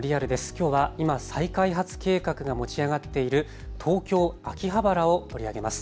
きょうは今、再開発計画が持ち上がっている東京秋葉原を取り上げます。